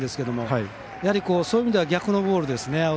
やはり、そういう意味では逆のボールですね。